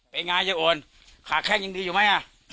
เป็นไงยาโอนขากแขกยังดีอยู่หม่ะอ่ะ